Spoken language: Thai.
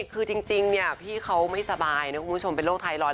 คือจริงพี่เขาไม่สบายนะคุณผู้ชมเป็นโรคไทรอยด